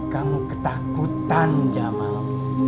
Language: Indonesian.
kamu ketakutan jamal